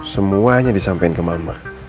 semuanya disampaikan ke mama